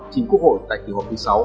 chính quốc hội tại kỷ hội thứ sáu